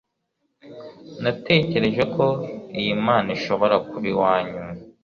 natekereje ko iyi mpano ishobora kuba iwanyu